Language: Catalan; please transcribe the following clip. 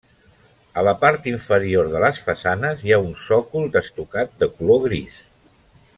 A la part inferior de les façanes, hi ha un sòcol d'estucat de color gris.